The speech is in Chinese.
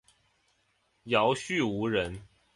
姚绪羌人。